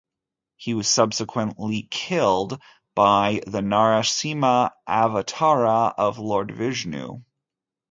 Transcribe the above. He was subsequently killed by the Narasimha Avatara of Lord Vishnu.